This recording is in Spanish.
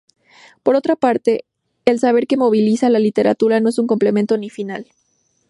Por otra parte el saber que moviliza la literatura no es completo ni final.